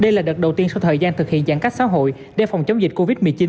đây là đợt đầu tiên sau thời gian thực hiện giãn cách xã hội để phòng chống dịch covid một mươi chín